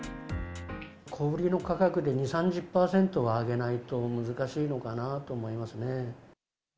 小売りの価格で２、３０％は上げないと難しいのかなと思いますね。